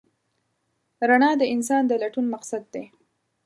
رڼا د انسان د لټون مقصد دی.